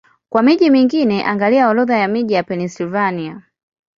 Kwa miji mingine, angalia Orodha ya miji ya Pennsylvania.